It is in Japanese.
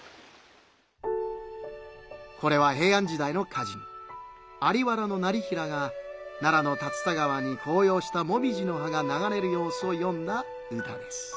これは平安時代の歌人在原業平が奈良の竜田川に紅葉したもみじの葉がながれる様子をよんだ歌です。